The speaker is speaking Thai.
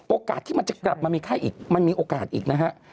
โอกาสที่มันจะกลับมามีไข้อีกมันมีโอกาสอีกนะฮะ